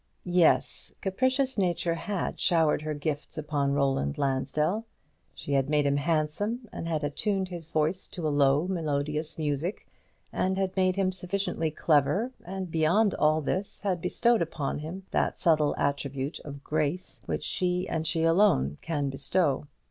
Yes, capricious Nature had showered her gifts upon Roland Lansdell. She had made him handsome, and had attuned his voice to a low melodious music, and had made him sufficiently clever; and, beyond all this, had bestowed upon him that subtle attribute of grace, which she and she alone can bestow.